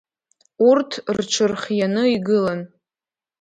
Урҭ рҽырхианы игылан.